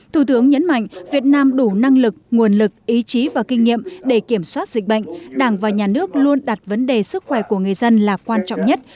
thủ tướng nhấn mạnh việt nam đủ năng lực nguồn lực ý chí và kinh nghiệm để kiểm soát dịch bệnh đảng và nhà nước luôn đặt vấn đề sức khỏe của người dân là quan trọng nhất